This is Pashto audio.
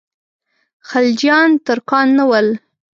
خلجیان ترکان نه ول.